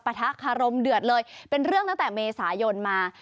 ทะคารมเดือดเลยเป็นเรื่องตั้งแต่เมษายนมา